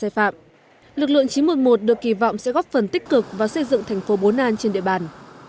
xây phạm lực lượng chín trăm một mươi một được kỳ vọng sẽ góp phần tích cực vào xây dựng thành phố bốn an trên địa bàn